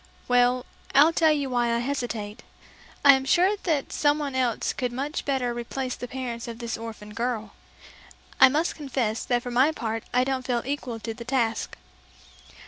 "Well, I'll tell you why I hesitate. I'm sure that someone else could much better replace the parents of this orphaned girl. I must confess that for my part I don't feel equal to the task."